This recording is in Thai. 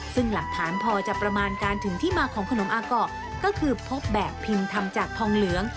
ซึ่งหลักฐานพอจะประมาณการถึงที่มาของขนมอาเกาะก็คือพบแบบพิมพ์ทำจากทองเหลือง